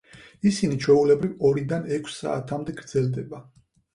ისინი, ჩვეულებრივ, ორიდან ექვს საათამდე გრძელდება.